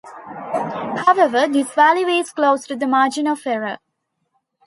However, this value is close to the margin of error.